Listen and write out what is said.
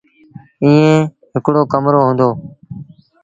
ائيٚݩ هڪڙو ڪمرو هُݩدو ۔